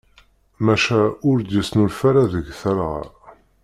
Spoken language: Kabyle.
Maca ur d-yesnulfa ara deg talɣa.